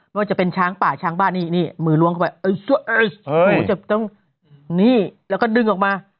ว่าจะเป็นช้างป่าช้างบ้านนี่นี่มือล้วงเข้าไปหนูจะต้องนี่แล้วก็ดึงออกมา